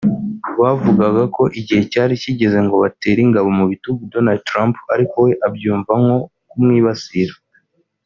bavugaga ko igihe cyari kigeze ngo batere ingabo mu bitugu Donald Trump ariko we abyumva nko kumwibasira